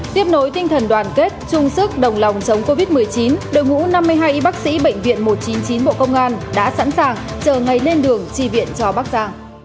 tiếp nối tinh thần đoàn kết chung sức đồng lòng chống covid một mươi chín đội ngũ năm mươi hai y bác sĩ bệnh viện một trăm chín mươi chín bộ công an đã sẵn sàng chờ ngày lên đường tri viện cho bác già